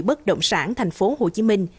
bất động sản tp hcm